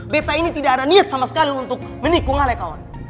beta ini tidak ada niat sama sekali untuk menikung oleh kawan